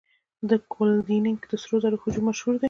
د کلونډیک د سرو زرو هجوم مشهور دی.